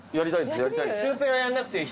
シュウペイはやんなくていい。